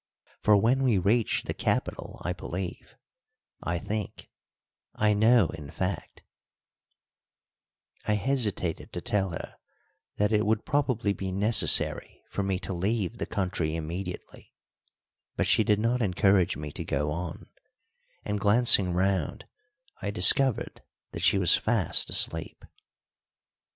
For when we reach the capital I believe I think I know, in fact " I hesitated to tell her that it would probably be necessary for me to leave the country immediately, but she did not encourage me to go on, and, glancing round, I discovered that she was fast asleep.